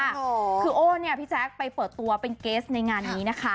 โอ้โหคือโอ้เนี่ยพี่แจ๊คไปเปิดตัวเป็นเกสในงานนี้นะคะ